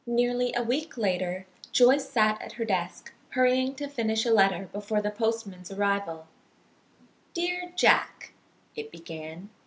Nearly a week later Joyce sat at her desk, hurrying to finish a letter before the postman's arrival. "Dear Jack," it began.